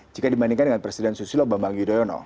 jika dibandingkan dengan presiden susilo bambang yudhoyono